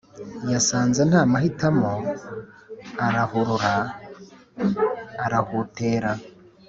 yasanze ntamahitamo arahurura arahutera